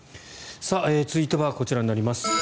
続いては、こちらになります。